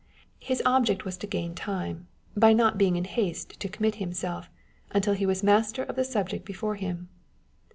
His object was to gain time, by not being in haste to commit himself, until he was master of the subject before him.